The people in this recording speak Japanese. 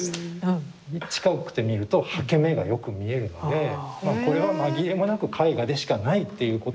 近くで見ると刷毛目がよく見えるのでこれは紛れもなく絵画でしかないっていうことにもなってしまうわけで。